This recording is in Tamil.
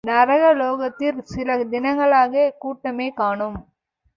நரகலோகத்திற் சில தினங்களாகக் கூட்டமே காணோம்.